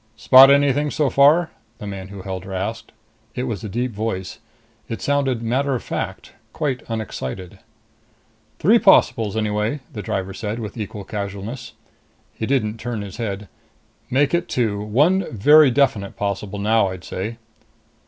"Spot anything so far?" the man who held her asked. It was a deep voice. It sounded matter of fact, quite unexcited. "Three possibles anyway," the driver said with equal casualness. He didn't turn his head. "Make it two.... One very definite possible now, I'd say!"